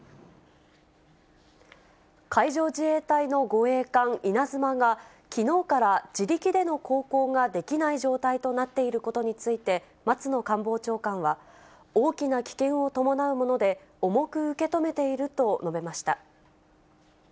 海上自衛隊の護衛艦いなづまが、きのうから自力での航行ができない状態となっていることについて、松野官房長官は、大きな危険を伴うもので、重く受け止めていると述べました。